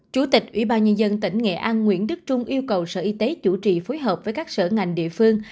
chủ tịch ubnd tỉnh nghệ an nguyễn đức trung yêu cầu sở y tế chủ trị phối hợp với các sở ngành địa phương